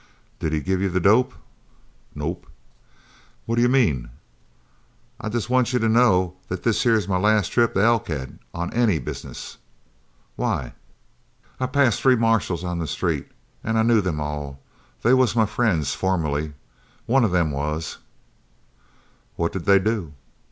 "Did he give you the dope?" "No." "What do you mean?" "I jest want you to know that this here's my last trip to Elkhead on any business." "Why?" "I passed three marshals on the street, an' I knew them all. They was my friends, formerly. One of them was " "What did they do?"